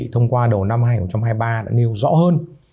thông qua đầu năm hai nghìn hai mươi ba đã nêu rõ hơn